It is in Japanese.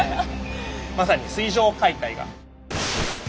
まさに水上解体が。